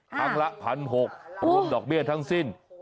ครับครั้งละ๑๖๐๐บาทรวมดอกเบี้ยทั้งสิ้น๑๘๐๐๐